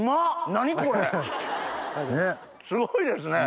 何これ⁉すごいですね。